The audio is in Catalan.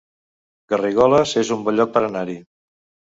Garrigoles es un bon lloc per anar-hi